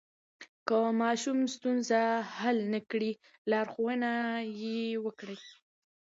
که ماشوم ستونزه حل نه کړي، لارښوونه یې وکړئ.